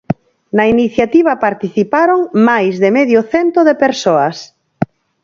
Na iniciativa participaron máis de medio cento de persoas.